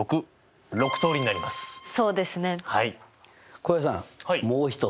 浩平さんもう一つ！